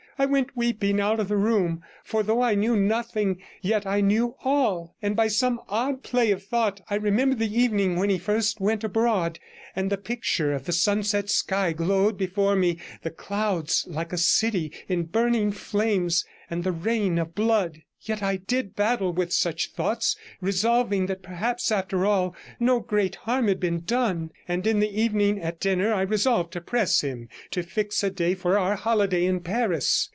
I went weeping out of the room; for though I knew nothing, yet I knew all, and by some odd play of thought I remembered the evening when he first went abroad, and the picture of the sunset sky glowed before me; the clouds like a city in burning flames, and the rain of blood. Yet I did battle with such thoughts, resolving that perhaps, after all, no great harm had been done, and in the evening at dinner I resolved to press him to fix a day for our holiday in Paris.